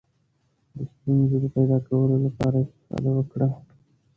د ستونزو د پیدا کولو لپاره استفاده وکړه.